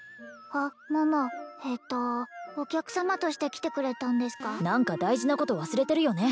あっ桃えっとお客様として来てくれたんですか何か大事なこと忘れてるよね？